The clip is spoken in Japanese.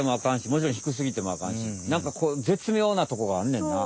もちろんひくすぎてもあかんしなんかぜつみょうなとこがあんねんな。